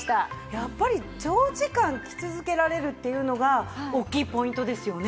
やっぱり長時間着続けられるっていうのが大きいポイントですよね。